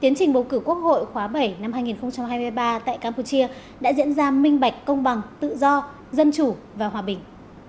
tiến trình bầu cử quốc hội khóa bảy năm hai nghìn hai mươi ba tại campuchia đã diễn ra minh bạch công bằng tự do dân chủ và hòa bình